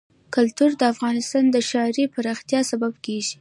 کلتور د افغانستان د ښاري پراختیا سبب کېږي.